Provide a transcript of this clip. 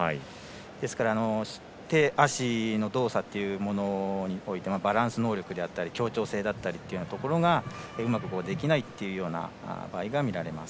ですから、手足の動作というものにおいてもバランス能力であったり協調性だったりというところがうまくできないというような場合が見られます。